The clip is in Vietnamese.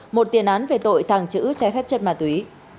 một tiền án về tội tàng trữ trái phép chất ma túy